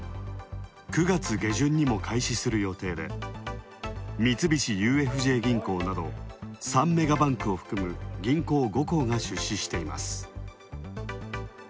９月下旬にも開始する予定で三菱ＵＦＪ銀行など３メガバンクを含む銀行５行が出資しています。